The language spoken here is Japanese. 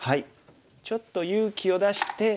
ちょっと勇気を出して二段バネ。